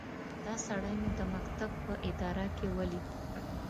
دا سړی مې د مکتب په اداره کې وليد.